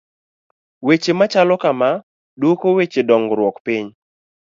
Weche machalo kama, duoko weche dongruok piny.